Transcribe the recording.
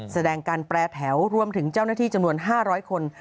แสดงการแปรแถวรวมถึงเจ้าหน้าที่จำนวน๕๐๐คน